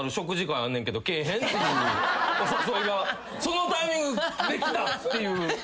お誘いがそのタイミングで来たっていう。